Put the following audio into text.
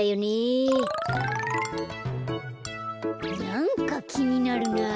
なんかきになるなぁ。